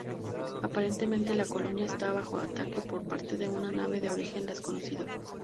Aparentemente la colonia está bajo ataque por parte de una nave de origen desconocido.